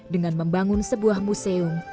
dengan membangun sebuah museum